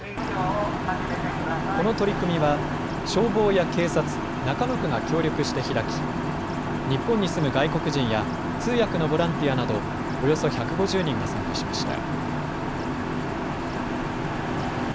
この取り組みは消防や警察、中野区が協力して開き日本に住む外国人や通訳のボランティアなどおよそ１５０人が参加しました。